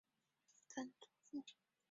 曾祖父郭景昭。